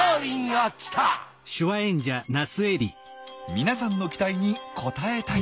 皆さんの期待に応えたい！